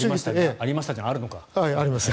ありましたねじゃないあるのか。